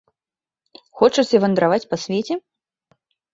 Хочаце вандраваць па свеце?